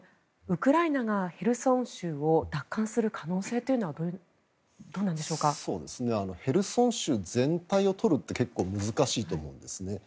ウクライナがヘルソン州を奪還する可能性というのはヘルソン州全体を取るって結構、難しいと思うんですね。